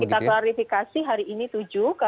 kita klarifikasi hari ini tujuh